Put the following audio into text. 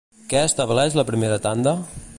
Què estableix la primera tanda?